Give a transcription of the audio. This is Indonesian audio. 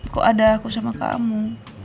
kok ada aku sama kamu